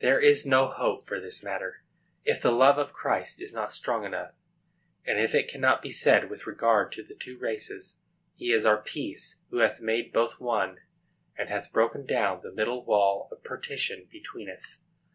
There is no hope for this matter, if the love of Christ is not strong enough, and if it cannot be said, with regard to the two races, "He is our peace who hath made both one, and hath broken down the middle wall of partition between us."